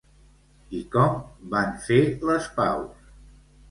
I com van fer les paus?